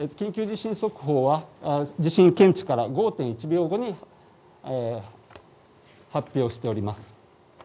緊急地震速報は地震検知から５．１秒後に発表しております。